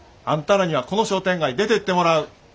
あんたらにはこの商店街出てってもらう。